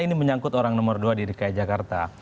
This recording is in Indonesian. ini menyangkut orang nomor dua di dki jakarta